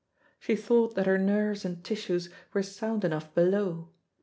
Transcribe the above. She thought that her nerves and tissues were sound enough below.